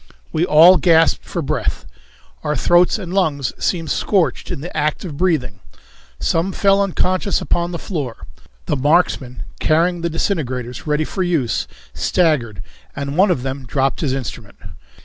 We all gasped for breath. Our throats and lungs seemed scorched in the act of breathing. Some fell unconscious upon the floor. The marksmen, carrying the disintegrators ready for use, staggered, and one of them dropped his instrument.